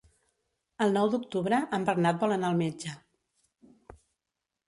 El nou d'octubre en Bernat vol anar al metge.